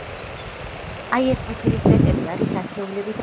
აი, ეს ყვითელი სვეტები არის ათეულები. და ორი ცალია.